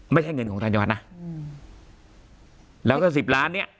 ไม่ใช่เงินของธัญวัฒน์นะอืมแล้วก็สิบล้านเนี้ย